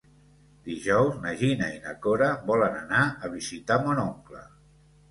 Dijous na Gina i na Cora volen anar a visitar mon oncle.